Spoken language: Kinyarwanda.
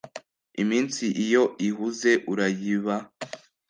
iminsi iyo ihuze urayiba